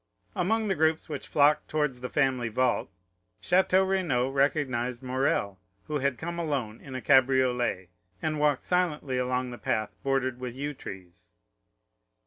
Among the groups which flocked towards the family vault, Château Renaud recognized Morrel, who had come alone in a cabriolet, and walked silently along the path bordered with yew trees.